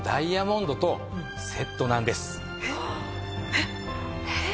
えっ？えっ？